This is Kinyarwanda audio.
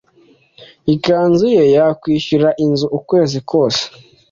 Ikanzu ye yakwishyurira inzu ukwezi kose